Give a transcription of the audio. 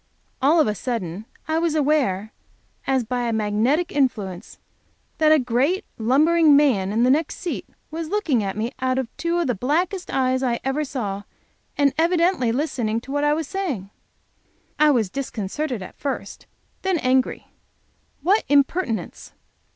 All of a sudden I was aware, as by a magnetic influence, that a great lumbering man in the next seat was looking at me out of two of the blackest eyes I ever saw, and evidently listening to what I was saying. I was disconcerted at first, then angry. What impertinence.